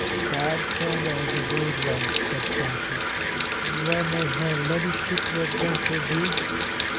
"God send us a good one," said Sancho; "and where may her ladyship the adventure be?"